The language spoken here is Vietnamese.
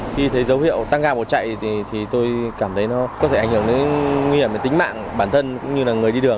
khi thấy dấu hiệu tăng ga bỏ chạy thì tôi cảm thấy nó có thể ảnh hưởng đến nguy hiểm đến tính mạng bản thân cũng như là người đi đường